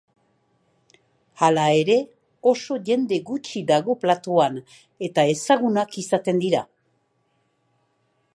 Hala ere, oso jende gutxi dago platoan, eta ezagunak izaten dira.